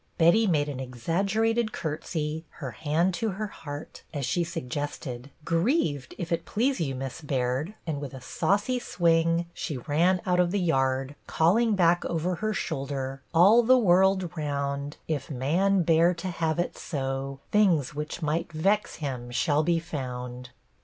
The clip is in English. Betty made an exaggerated curtsey, her hand to her heart, as she suggested, —"' Grieved, if it please you. Miss Baird,' " THE SECRET 2 I and, with a saucy swing, she ran out of the yard, calling back over her shoulder, —"'... all the world round If man bear to have it so, Things which might vex him shall be found.